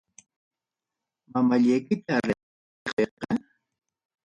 Mamallaykita reqsiykuspayqa.